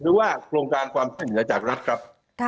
หรือว่าโครงการความช่วยเหลือจากรัฐครับ